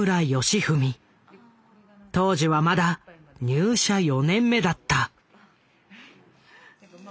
当時はまだ入社４年目だった。